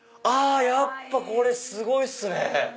やっぱこれすごいっすね！